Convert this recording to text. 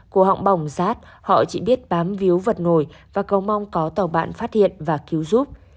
của họng bỏng rát họ chỉ biết bám víu vật nổi và cầu mong có tàu bạn phát hiện và cứu giúp